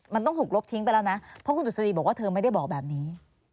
มันต้องถูกลบทิ้งไปแล้วนะเพราะคุณดุษฎีบอกว่าเธอไม่ได้บอกแบบนี้